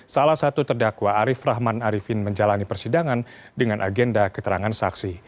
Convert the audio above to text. salah satu terdakwa arief rahman arifin menjalani persidangan dengan agenda keterangan saksi